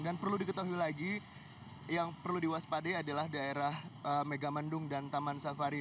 dan perlu diketahui lagi yang perlu diwaspadai adalah daerah megamandung dan taman safari